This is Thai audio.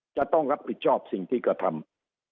จะต้องรับผิดชอบสิ่งที่กระทำ